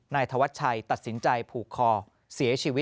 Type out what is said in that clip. นายธวัชชัยตัดสินใจผูกคอเสียชีวิต